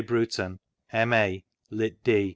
BRUTON. M.A., Litt.D.